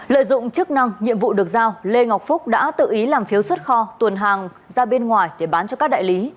lợi dụng chức năng nhiệm vụ được giao lê ngọc phúc đã tự ý làm phiếu xuất kho tuần hàng ra bên ngoài để bán cho các đại lý